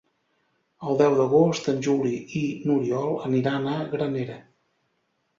El deu d'agost en Juli i n'Oriol aniran a Granera.